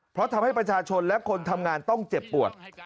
เพราะทำให้ประชาชนและคนทำงานต้องเจ็บปวด